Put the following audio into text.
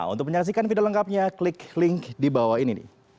untuk menyaksikan video lengkapnya klik link di bawah ini